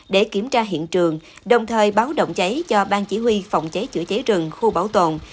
để kiểm tra hiện trường đồng thời báo động cháy cho bang chỉ huy phòng cháy chữa cháy rừng khu bảo tồn